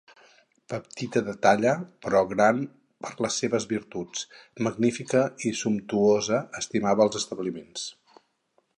Petita de talla però gran per les seves virtuts; magnífica i sumptuosa, estimava els establiments.